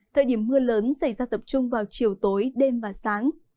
thời điểm mưa lớn xảy ra tập trung vào chiều tối đêm và sáng